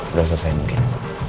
udah selesai mungkin